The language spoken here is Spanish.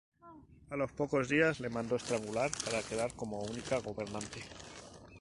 A los pocos días le mandó estrangular para quedar como única gobernante.